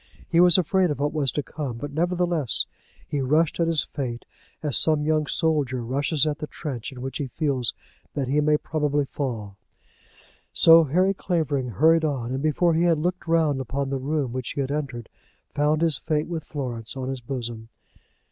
He was afraid of what was to come; but nevertheless he rushed at his fate as some young soldier rushes at the trench in which he feels that he may probably fall. So Harry Clavering hurried on, and before he had looked round upon the room which he had entered, found his fate with Florence on his bosom.